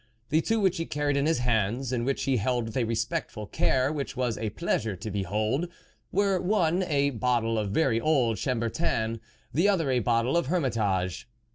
The two which he carried in his hands, and which he held with a respectful care which was a pleasure to behold, were, one a bottle of very old Chambertin, the other a bottle of Hermitage.